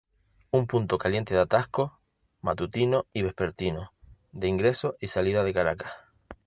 Un punto caliente de atascos, matutino y vespertino, de ingreso y salida de Caracas.